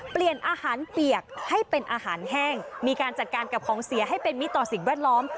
เปลี่ยนอาหารเปียกให้เป็นอาหารแห้งมีการจัดการกับของเสียให้เป็นมิตรต่อสิ่งแวดล้อม